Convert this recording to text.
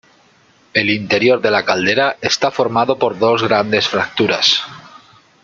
El interior de la caldera está formado por dos grandes fracturas.